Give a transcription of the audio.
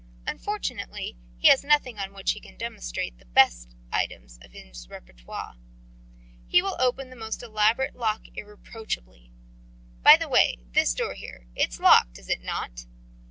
Unfortunately he has nothing on which he can demonstrate the best items of his repertoire. He will open the most elaborate lock irreproachably... By the way, this door here, it's locked, is it not?"